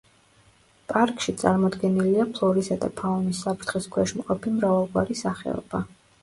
პარკში წარმოდგენილია ფლორისა და ფაუნის საფრთხის ქვეშ მყოფი მრავალგვარი სახეობა.